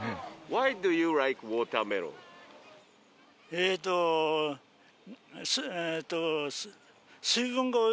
えっとえっと。